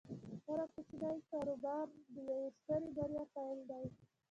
هر کوچنی کاروبار د یوې سترې بریا پیل دی۔